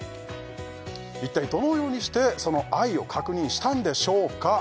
一体どのようにしてその愛を確認したんでしょうか